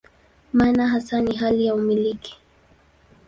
Maana hasa ni hali ya "umiliki".